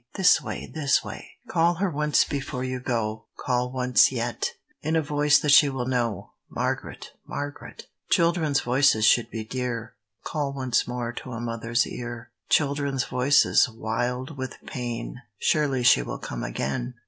This way, this way! Call her once before you go. Call once yet! In a voice that she will know: "Margaret! Margaret!" Children's voices should be dear. (Call once more) to a mother's ear; Children's voices, wild with pain, Surely she will come again